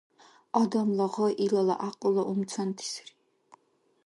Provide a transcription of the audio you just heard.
Адамла гъай илала гӀякьлула умцанти сари.